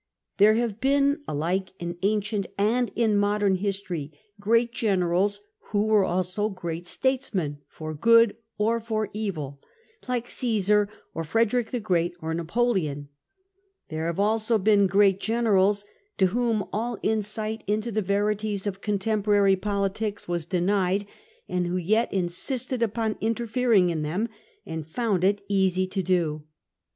There have been, alike in ancient and in modern history, great generals who were also great statesmen, for good or for evil, like Csesar, or Frederick the Great, or Napoleon, There have also been great generals to whom all insight into the verities of contemporary politics was denied, and who yet insisted upon interfering in them, and found it easy to do so.